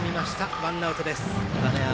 ワンアウトです。